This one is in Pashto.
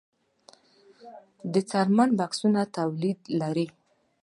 د څرمي بکسونو تولید لرو؟